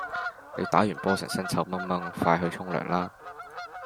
你打完波成身臭肨肨快去沖涼啦